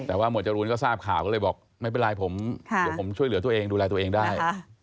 แต่ว่าหมวดจรูนก็ทราบข่าวก็เลยบอกไม่เป็นไรผมเดี๋ยวผมช่วยเหลือตัวเองดูแลตัวเองได้